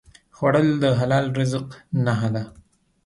خوړل د حلال رزق نښه ده